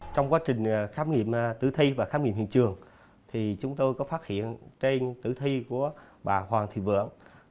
trong quá trình khám nghiệm tử thi và khám nghiệm hiện trường chúng tôi có phát hiện trên tử thi của bà hoàng thị vượng